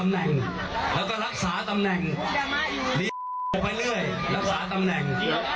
เขาแม่งเราก็รักษาตำแหน่งอู่ด้วยดั่งแหล่งยัพท์ทั้งแถมแห่ง